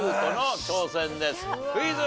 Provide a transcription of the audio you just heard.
クイズ。